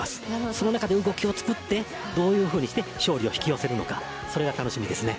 その中で、動きを作ってどういうふうにして勝利を引き寄せるのかそれが楽しみですね。